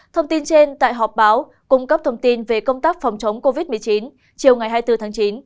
thông tin trên tại họp báo cung cấp thông tin về công tác phòng chống covid một mươi chín chiều ngày hai mươi bốn tháng chín